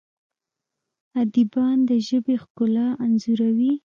ادیبان د ژبې ښکلا انځوروي.